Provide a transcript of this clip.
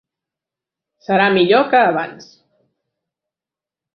Serà millor que abans.